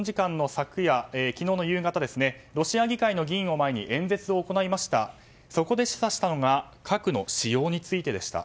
昨日の夕方ロシア議会の議員を前に演説を行いました。